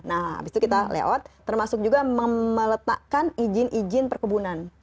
nah habis itu kita layout termasuk juga meletakkan izin izin perkebunan